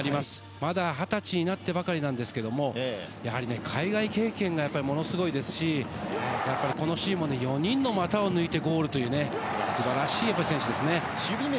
まだ２０歳になったばかりなんですけれども、やはりね、海外経験がやっぱりものすごいですし、やっぱりこのシーンもね、４人の選手の股を抜いてゴールというのね、すばらしい選手ですね。